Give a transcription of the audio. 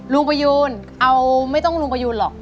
รุงประยุณเอาไม่ต้องรุงประยุณหรอก